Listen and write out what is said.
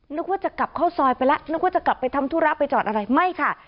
นึกว่าจะกลับเข้าซอยไปแล้วนึกว่าจะกลับไปทำธุระไปจอดอะไรไม่ค่ะ